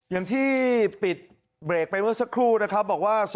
อย่างที่ปิดเบรกไปเมื่อสักครู่นะครับบอกว่า